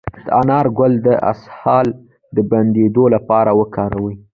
د انار ګل د اسهال د بندیدو لپاره وکاروئ